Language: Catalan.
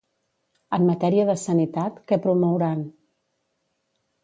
En matèria de sanitat, què promouran?